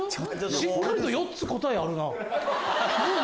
しっかりと４つ答えあるな。